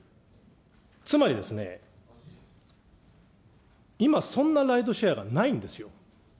つまりですね、今そんなライドシェアがないんですよ。